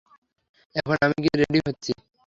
এখন আমি গিয়ে রেডি হচ্ছি।